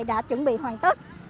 đã chuẩn bị hoàn tất